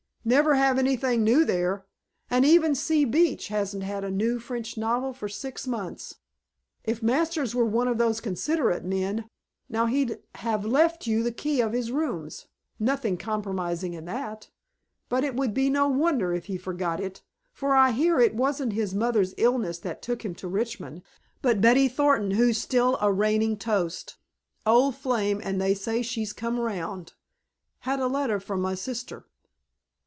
"Never have anything new there, and even C. Beach hasn't had a new French novel for six months. If Masters were one of those considerate men, now, he'd have left you the key of his rooms. Nothing compromising in that. But it would be no wonder if he forgot it, for I hear it wasn't his mother's illness that took him to Richmond, but Betty Thornton who's still a reigning toast. Old flame and they say she's come round. Had a letter from my sister."